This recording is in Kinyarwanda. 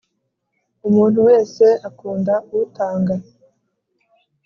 umuntu wese akunda utanga